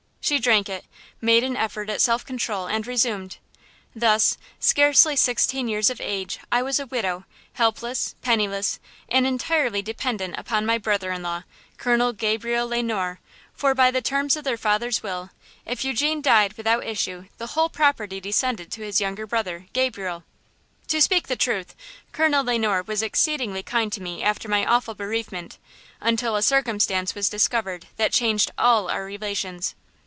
She drank it, made an effort at self control, and resumed: "Thus, scarcely sixteen years of age, I was a widow, helpless, penniless and entirely dependent upon my brother in law, Colonel Gabriel Le Noir, for by the terms of their father's will, if Eugene died without issue the whole property descended to his younger brother, Gabriel. To speak the truth, Colonel Le Noir was exceedingly kind to me after my awful bereavement, until a circumstance was discovered that changed all our relations.